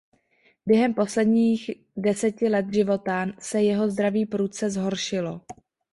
Během posledních deseti let života se jeho zdraví prudce zhoršilo.